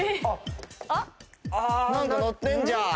何か乗ってるんじゃん。